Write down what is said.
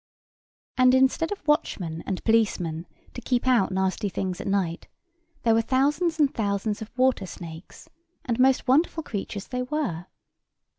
And, instead of watchmen and policemen to keep out nasty things at night, there were thousands and thousands of water snakes, and most wonderful creatures they were.